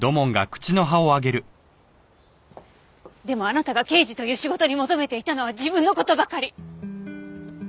でもあなたが刑事という仕事に求めていたのは自分の事ばかり！